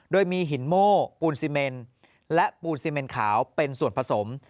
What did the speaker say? โดยมีหินโม่ปูนซีเมนและปูนซีเมนขาวเป็นส่วนผสม